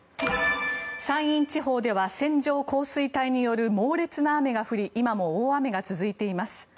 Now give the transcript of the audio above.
山陰地方では線状降水帯による猛烈な雨が降り今も大雨が続いています。